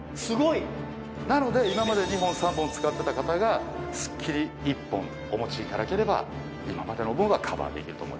なので今まで２本３本使ってた方がすっきり１本お持ちいただければ今までの分はカバーできると思います。